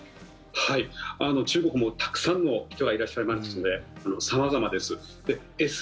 中国もたくさんの人がいらっしゃいますね、様々です。